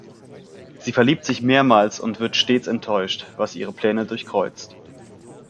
Sie verliebt sich mehrmals und wird stets enttäuscht, was ihre Pläne durchkreuzt.